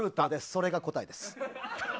それが答えです。